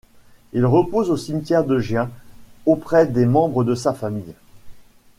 Il repose au cimetière de Gien auprès des membres de sa famille.